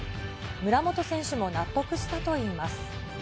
村元選手も納得したといいます。